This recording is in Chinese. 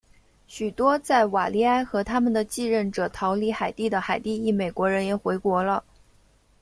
许多在瓦利埃和他们的继任者逃离海地的海地裔美国人也回国了。